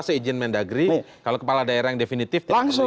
seizin mendagri kalau kepala daerah yang definitif tidak perlu izin